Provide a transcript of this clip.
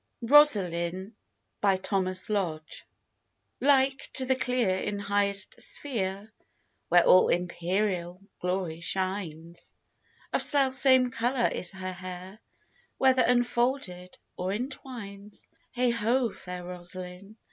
Thomas Lodge. ROSALINE. Like to the clear in highest sphere Where all imperial glory shines, Of selfsame colour is her hair Whether unfolded, or in twines: Heigh ho, fair Rosaline!